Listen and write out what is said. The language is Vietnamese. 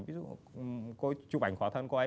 ví dụ cô ấy chụp ảnh khóa thân cô ấy